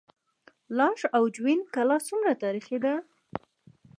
لاش او جوین کلا څومره تاریخي ده؟